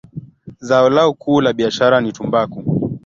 Zao lao kuu la biashara ni tumbaku.